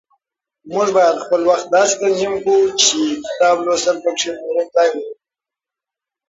موږ بايد خپل وخت داسي تنظيم کړو چي کتاب لوستل پکي مهم ځای ولري ,